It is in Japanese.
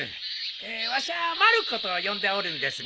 ええわしゃまる子と呼んでおるんですが。